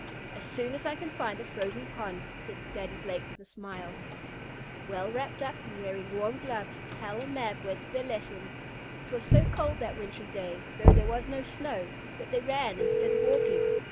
"As soon as I can find a frozen pond," said Daddy Blake with a smile. Well wrapped up, and wearing warm gloves, Hal and Mab went to their lessons. It was so cold that wintry day, though there was no snow, that they ran instead of walking.